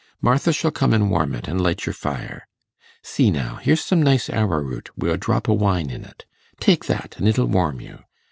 Martha shall come an' warm it, an' light your fire. See now, here's some nice arrowroot, wi' a drop o' wine in it. Take that, an' it'll warm you.